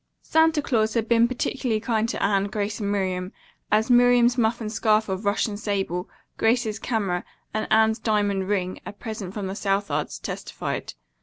Santa Claus had been particularly kind to Anne, Grace and Miriam, as Miriam's muff and scarf of Russian sable, Grace's camera, and Anne's diamond ring (a present from the Southards) testified.